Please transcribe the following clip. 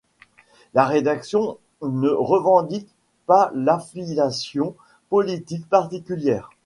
La rédaction ne revendique pas d'affiliation politique particulière.